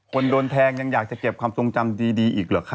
คนโดนแทงยังอยากจะเก็บความทรงจำดีอีกเหรอคะ